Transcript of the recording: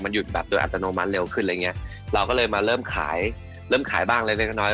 หยุดแบบโดยอัตโนมัติเร็วขึ้นอะไรอย่างเงี้ยเราก็เลยมาเริ่มขายเริ่มขายบ้างเล็กเล็กน้อย